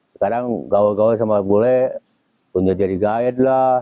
sekarang gawal gawal sama bule punya jadi guide lah